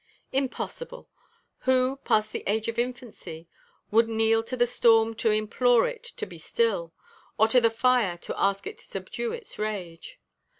Impossible! who, past the age of infancy, would kneel to the storm to implore it to be still, or to the fire to ask it to subdue its rage?